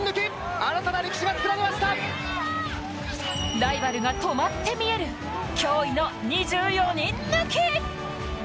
ライバルがとまって見える驚異の２４人抜き。